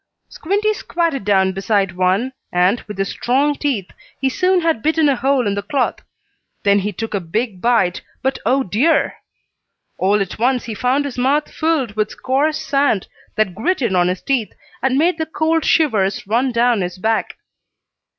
Squinty squatted down beside one, and, with his strong teeth, he soon had bitten a hole in the cloth. Then he took a big bite, but oh dear! All at once he found his mouth filled with coarse sand, that gritted on his teeth, and made the cold shivers run down his back.